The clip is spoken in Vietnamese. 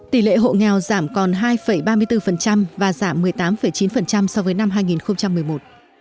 tỷ lệ hộ nghèo giảm còn hai ba mươi bốn và giảm một mươi tám chín so với năm hai nghìn một mươi một